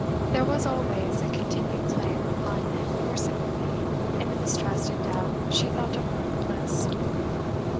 There was always a continued claim upon your sympathy in the mistrust and doubt she felt of her own bliss.